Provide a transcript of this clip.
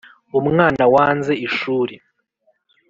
Umwana wanze ishuri